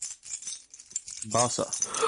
باسا